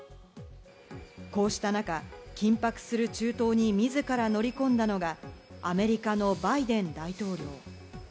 こうした中、緊迫する中東に自ら乗り込んだのが、アメリカのバイデン大統領。